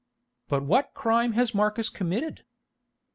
But what crime has Marcus committed?"